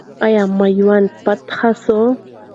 آیا میوند فتح سو؟